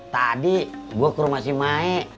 tadi gua ke rumah si maek